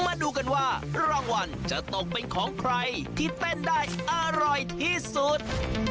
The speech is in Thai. มาดูกันว่ารางวัลจะตกเป็นของใครที่เต้นได้อร่อยที่สุด